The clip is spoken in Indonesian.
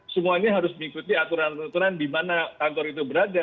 semuanya harus mengikuti aturan aturan di mana kantor itu berada